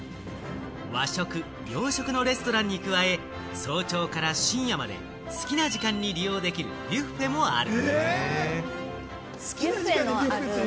和食、洋食のレストランに加え、早朝から深夜まで好きな時間に利用できるビュッフェもある。